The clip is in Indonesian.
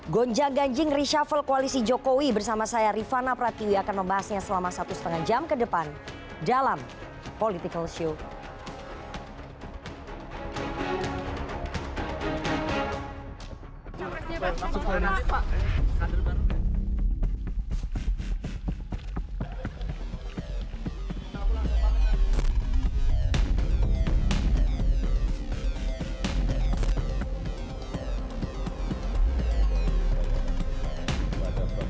gonjang ganjing reshuffle koalisi jokowi bersama saya rifana pratiwi akan membahasnya selama satu setengah jam ke depan dalam political show